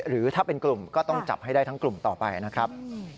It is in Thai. หรือถ้าเป็นกลุ่มก็ต้องจับให้ได้ทั้งกลุ่มต่อไปนะครับ